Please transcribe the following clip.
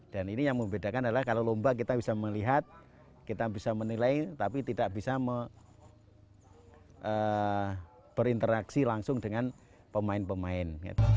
dan ini yang membedakan adalah kalau lomba kita bisa melihat kita bisa menilai tapi tidak bisa berinteraksi langsung dengan pemain pemain